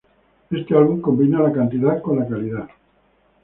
Este álbum combina la cantidad con la calidad.